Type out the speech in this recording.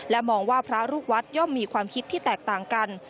มองว่าพระลูกวัดย่อมมีความคิดที่แตกต่างกัน